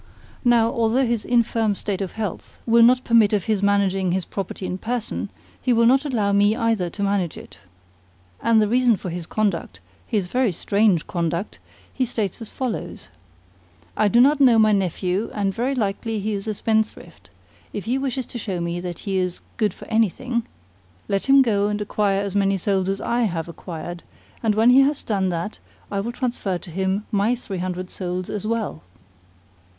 Now, although his infirm state of health will not permit of his managing his property in person, he will not allow me either to manage it. And the reason for his conduct his very strange conduct he states as follows: 'I do not know my nephew, and very likely he is a spendthrift. If he wishes to show me that he is good for anything, let him go and acquire as many souls as I have acquired; and when he has done that I will transfer to him my three hundred souls as well."